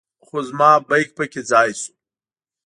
خو زما بیک په کې ځای شو.